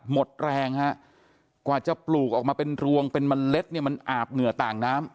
หมดแรงฮะกว่าจะปลูกออกมาเป็นรวงเป็นเมล็ดเนี่ยมันอาบเหงื่อต่างน้ำ